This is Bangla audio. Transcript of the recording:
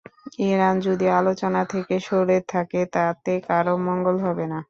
ইরান যদি আলোচনা থেকে সরে থাকে, তাতে কারও মঙ্গল হবে না।